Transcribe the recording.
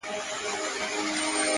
پوهه د شک تیاره کمزورې کوي